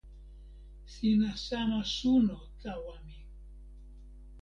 sina sama suno tawa mi.